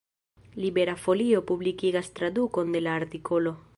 Libera Folio publikigas tradukon de la artikolo.